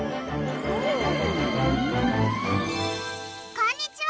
こんにちは！